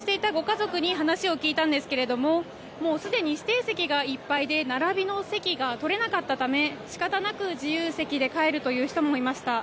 そして、先ほど切符を購入していたご家族に話を聞いたんですがすでに指定席がいっぱいで並びの席が取れなかったため仕方なく自由席で帰るという人もいました。